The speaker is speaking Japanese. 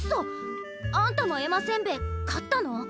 あんたも絵馬せんべい買ったの？